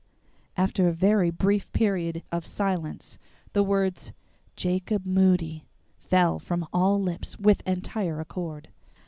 After a very brief period of silence the words "Jacob Moody" fell from all lips with entire accord.